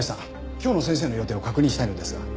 今日の先生の予定を確認したいのですが。